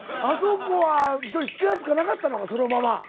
あそこはひとり気が付かなかったのかそのまま。